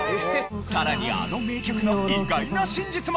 さらにあの名曲の意外な真実も！